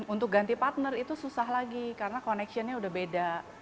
untuk ganti partner itu susah lagi karena connection nya sudah beda